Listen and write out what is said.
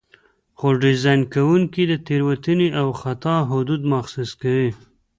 خو ډیزاین کوونکي د تېروتنې او خطا حدود مشخص کوي.